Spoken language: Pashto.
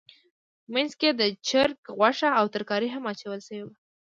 منځ کې یې د چرګ غوښه او ترکاري هم اچول شوې وه.